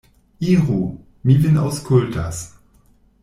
Iru; mi vin aŭskultas.